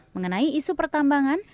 mengenai isu pertambangan